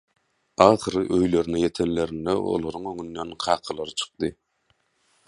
Ahyry öýlerine ýetenlerinde olaryň öňünden kakalary çykdy.